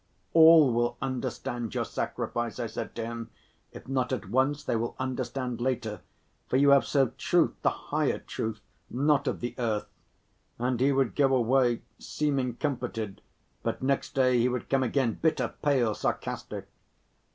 "All will understand your sacrifice," I said to him, "if not at once, they will understand later; for you have served truth, the higher truth, not of the earth." And he would go away seeming comforted, but next day he would come again, bitter, pale, sarcastic.